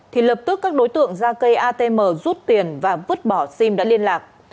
thì lập tức các đối tượng ra cây atm rút tiền và vứt bỏ sim đã liên lạc